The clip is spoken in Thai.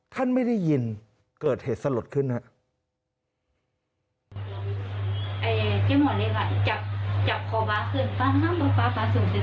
ไม่ได้ยินเกิดเหตุสลดขึ้นครับ